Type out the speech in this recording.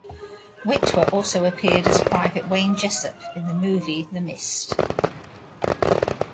Witwer also appeared as Private Wayne Jessup in the movie "The Mist".